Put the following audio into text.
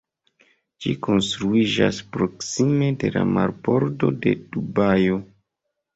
Ĝi konstruiĝas proksime de la marbordo de Dubajo.